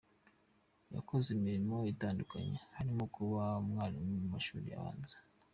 Yakoze imirimo itandukanye harimo kuba umwarimu mu mashuri abanza.